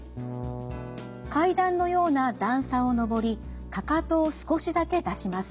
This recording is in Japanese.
階段のような段差を上りかかとを少しだけ出します。